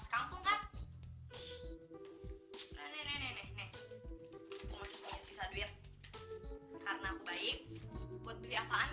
aku dong mau ngapain misalnya kayaknya itu bukan tanggung jawabnya kak fatimah ya kalau masalah